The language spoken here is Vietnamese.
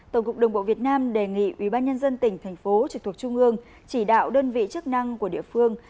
tổng cục đồng bộ việt nam đề nghị ubnd tỉnh thành phố trực thuộc trung ương chỉ đạo đơn vị chức năng của địa phương